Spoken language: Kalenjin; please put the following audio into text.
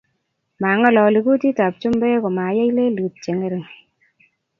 mangololi kutit ab chumbek ko mayai lelut che ng'ering'